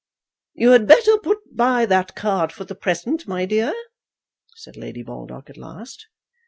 "You had better put by that card for the present, my dear," said Lady Baldock at last.